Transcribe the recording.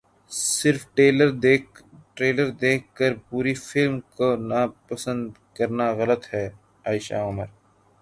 صرف ٹریلر دیکھ کر پوری فلم کو ناپسند کرنا غلط ہے عائشہ عمر